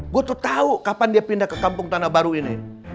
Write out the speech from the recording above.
gue tuh tahu kapan dia pindah ke kampung tanah baru ini